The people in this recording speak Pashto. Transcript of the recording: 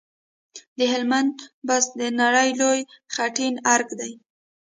د هلمند بست د نړۍ لوی خټین ارک دی